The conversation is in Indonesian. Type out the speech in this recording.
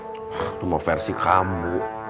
itu mau versi kamu